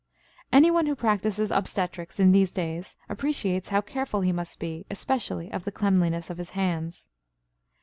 Anyone who practices obstetrics in these days appreciates how careful he must be, especially of the cleanliness of his hands.